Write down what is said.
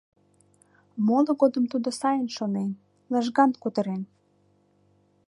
Моло годым тудо сайын шонен, лыжган кутырен.